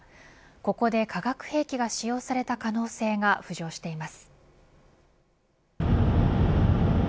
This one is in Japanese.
ここで化学兵器が使用された可能性が浮上しています。